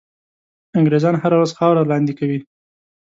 انګرېزان هره ورځ خاوره لاندي کوي.